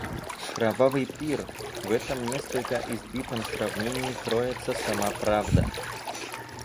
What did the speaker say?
Кровавый пир — в этом несколько избитом сравнении кроется сама правда.